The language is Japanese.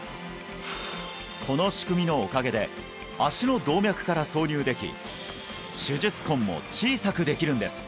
この仕組みのおかげで足の動脈から挿入でき手術痕も小さくできるんです